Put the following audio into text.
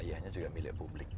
ayahnya juga milik publik